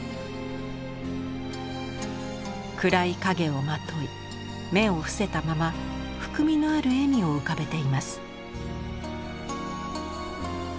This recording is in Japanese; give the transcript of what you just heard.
暗い影をまとい目を伏せたまま含みのある笑みを浮かべています。